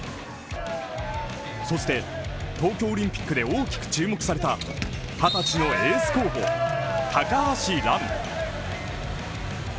そして、東京オリンピックで大きく注目された二十歳のエース候補、高橋藍。